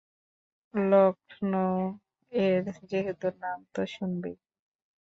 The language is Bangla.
লখনও এর যেহেতু নাম তো শুনবেই।